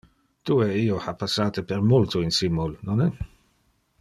Tu e io ha passate per multo insimul, nonne?